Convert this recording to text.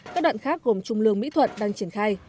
các đoạn khác gồm trung lương mỹ thuận đang triển khai